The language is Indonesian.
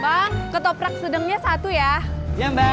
bang ketoprak sedangnya satu ya iya mbak ndara